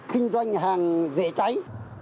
kinh doanh hàng dễ cháy